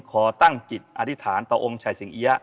ขอตั้งจิตอธิษฐานต่อองค์ชายสิงเอี๊ยะ